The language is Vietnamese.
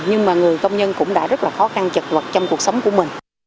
nhưng mà người công nhân cũng đã rất là khó khăn chật vật trong cuộc sống của mình